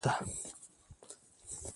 د خلاصون په نیت دبلي په پیل سه.